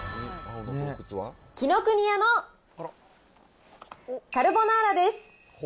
紀ノ國屋のカルボナーラです。